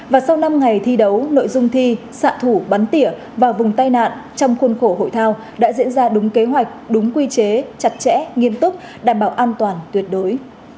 và sau năm ngày thi đấu nội dung thi xạ thủ bắn tỉa và vùng tai nạn trong khuôn khổ hội thao đã diễn ra đúng kế hoạch đúng quy chế chặt chẽ nghiêm túc đảm bảo an toàn tuyệt đối